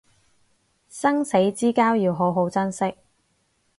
生死之交要好好珍惜